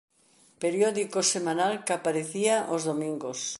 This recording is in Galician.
Periódico semanal que aparecía os domingos.